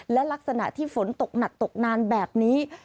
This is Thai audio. และลักษณะที่ฝนตกหนักตกนานแบบนี้